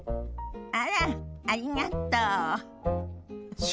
あら、ありがとう。